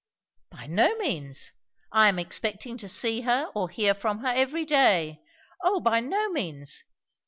"By no means! I am expecting to see her or hear from her every day. O by no means.